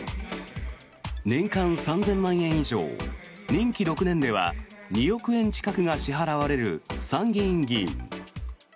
年間３０００万円以上任期６年では、２億円近くが支払われる参議院議員。